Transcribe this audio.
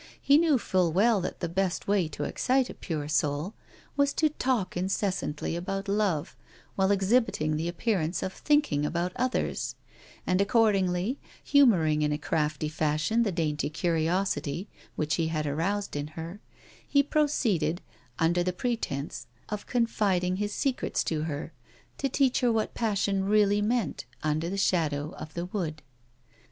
He knew full well that the best way to excite a pure soul was to talk incessantly about love, while exhibiting the appearance of thinking about others; and accordingly, humoring in a crafty fashion the dainty curiosity which he had aroused in her, he proceeded, under the pretense of confiding his secrets to her, to teach her what passion really meant, under the shadow of the wood.